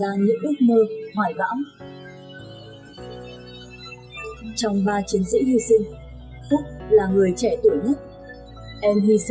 trong ba chiến sĩ hy sinh phúc là người trẻ tuổi nhất em hy sinh khi vừa tròn một mươi chín tuổi và anh quân là người chỉ huy chữa cháy dạng giày kinh nghiệm đã vào sinh gia tự đối mặt với giặc lửa ở những trận đánh đầy hiểm quý